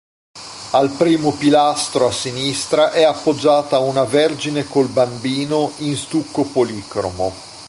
Al primo pilastro a sinistra è appoggiata una "Vergine col Bambino" in stucco policromo.